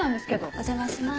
お邪魔します。